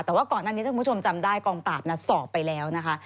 แต่ว่าก่อนหน้านี้ถ้าคุณผู้ชมจำได้กองปราบสอบไปแล้วนะคะ